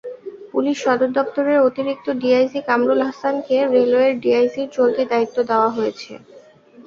Police সদর দপ্তরের অতিরিক্ত ডিআইজি কামরুল আহসানকে রেলওয়ের ডিআইজির চলতি দায়িত্বদেওয়া হয়েছে।